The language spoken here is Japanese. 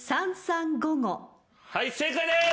はい正解です！